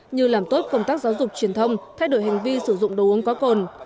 như làm tốt công tác giáo dục truyền thông thay đổi hành vi sử dụng đồ uống có cồn